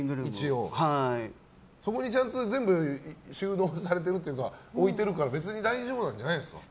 そこにちゃんと全部収納されているというか置いてるから別に大丈夫じゃないんですか？